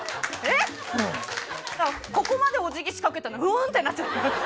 ここまでお辞儀しかけたのにグーンってなっちゃった。